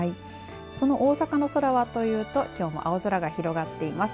その大阪の空はというときょうも青空が広がっています。